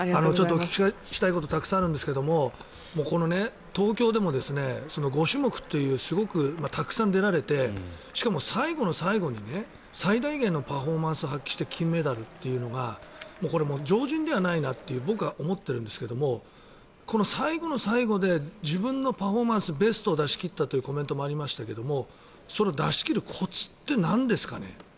お聞きしたいことたくさんあるんですけれどもこの東京でも５種目というすごくたくさん出られてしかも最後の最後に最大限のパフォーマンスを発揮して金メダルというのがこれ、常人ではないなって僕は思ってるんですがこの最後の最後で自分のパフォーマンス、ベストを出し切ったというコメントもありましたけれど出し切るコツってなんですかね？